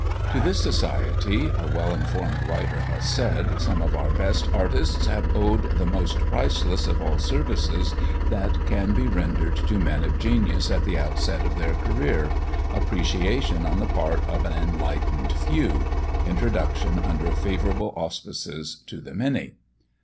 "To this Society," a well informed writer has said, "some of our best artists have owed the most priceless of all services that can be rendered to men of genius at the outset of their career appreciation on the part of an enlightened few introduction under favourable auspices to the many."